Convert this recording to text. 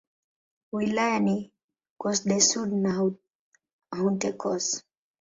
Wilaya ni Corse-du-Sud na Haute-Corse.